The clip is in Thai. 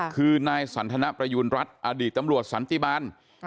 คือนายสันทนประยูณรัฐอดีตตำรวจสันติบาล